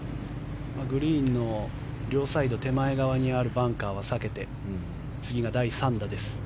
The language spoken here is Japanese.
グリーンの両サイド手前側にあるバンカーは避けて次が第３打です。